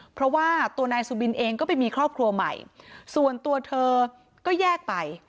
เพราะว่าตัวนายสุบินเองก็ไปมีครอบครัวใหม่ส่วนตัวเธอก็แยกไป